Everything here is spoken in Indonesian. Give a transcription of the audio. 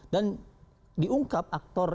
dan diungkap aktor